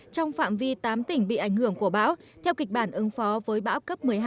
trong phạm vi tám tỉnh bị ảnh hưởng của bão theo kịch bản ứng phó với bão cấp một mươi hai